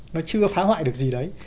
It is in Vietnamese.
nó chưa phá hoại được gì đấy